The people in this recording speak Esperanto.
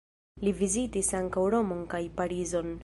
Li vizitis ankaŭ Romon kaj Parizon.